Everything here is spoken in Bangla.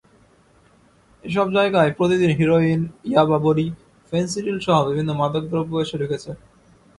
এসব জায়গায় প্রতিদিন হেরোইন, ইয়াবা বড়ি, ফেনসিডিলসহ বিভিন্ন মাদকদ্রব্য এসে ঢুকছে।